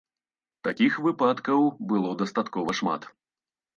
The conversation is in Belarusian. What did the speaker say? Такіх выпадкаў было дастаткова шмат.